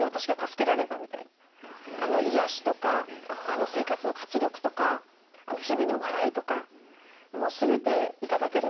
癒やしとか生活の活力とか日々の笑いとか全て頂けるんですよ。